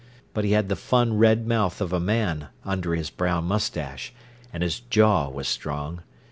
But he had the fun red mouth of a man under his brown moustache, and his jaw was strong.